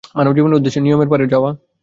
মানব জীবনের উদ্দেশ্য নিয়মের পারে যাওয়া।